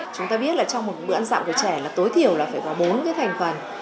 chúng ta biết là trong một bữa ăn dặm của trẻ là tối thiểu là phải có bốn cái thành phần